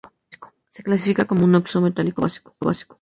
Se clasifica como un óxido metálico básico.